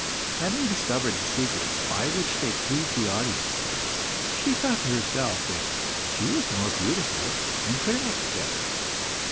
Having discovered the secrets by which they pleased the audience, she thought to herself that she was more beautiful and could act better.